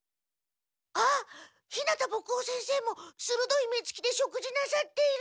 あっ日向墨男先生もするどい目つきで食事なさっている！